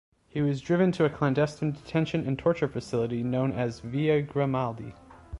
He was driven to a clandestine detention and torture facility known as Villa Grimaldi.